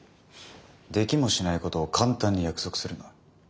できもしないことを簡単に約束するな。